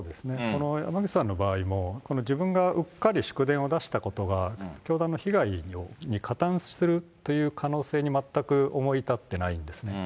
この山口さんの場合も、自分がうっかり祝電を出したことが教団の被害に加担してるという可能性に、全く思い至ってないんですね。